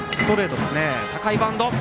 高いバウンド！